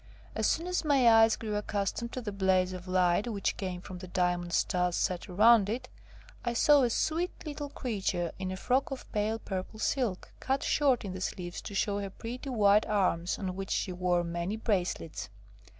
As soon as my eyes grew accustomed to the blaze of light which came from the diamond stars set round it, I saw a sweet little creature in a frock of pale purple silk, cut short in the sleeves to show her pretty white arms, on which she wore many bracelets.